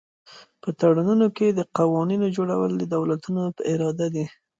په تړونونو کې د قوانینو جوړول د دولتونو په اراده دي